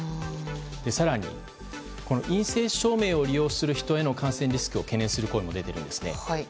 更に、陰性証明を利用する人への感染リスクを懸念する声も出ているんですね。